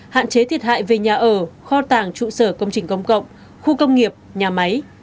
hạn chế thiệt hại về nhà ở kho tàng trụ sở công trình công cộng khu công nghiệp nhà máy